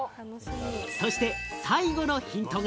そして最後のヒントが。